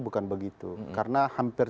bukan begitu karena hampir